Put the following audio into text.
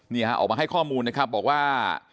ออกมาให้ข้อมูลนะครับบอกว่า